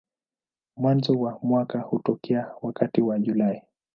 Mwanzo wa mwaka hutokea wakati wa Julai.